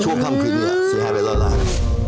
ช่วงค่ำคืนนี้เสียหายไปร้อยล้าน